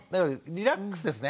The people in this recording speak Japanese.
リラックスですね。